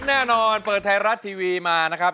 แน่นอนเปิดไทยรัฐทีวีมานะครับ